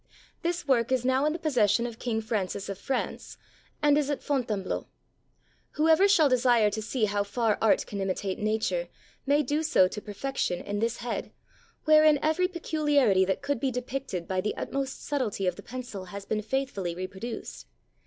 This work is now in the possession of King Francis of France, and is at Fontainebleau. Whoever shall desire to see how far art can imitate nature, may do so to perfection in this head, wherein every pecuHarity that could be depicted by the utmost subtlety of the pencil has been faithfully reproduced.